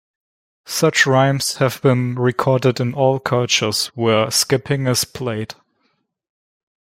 Such rhymes have been recorded in all cultures where skipping is played.